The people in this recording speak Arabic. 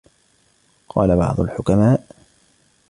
قَالَ بَعْضُ الْحُكَمَاءِ